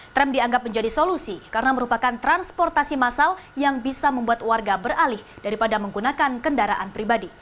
tram dianggap menjadi solusi karena merupakan transportasi massal yang bisa membuat warga beralih daripada menggunakan kendaraan pribadi